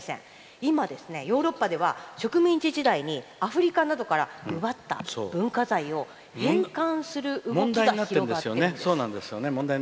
今、ヨーロッパでは植民地時代にアフリカなどから奪った文化財を返還する動きが広がってるんです。